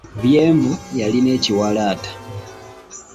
Byenvu yalina ekiwalaata.